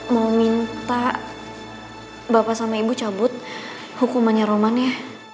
mau minta bapak sama ibu cabut hukumannya romannya